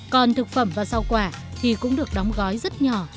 còn thực phẩm và rau quả thì cũng được đóng gói rất nhỏ